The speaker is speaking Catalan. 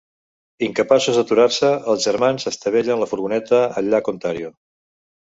Incapaços d'aturar-se, els germans estavellen la furgoneta al llac Ontario.